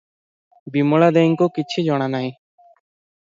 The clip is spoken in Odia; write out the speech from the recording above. ବିମଳା ଦେଈଙ୍କୁ କିଛି ଜଣା ନାହିଁ ।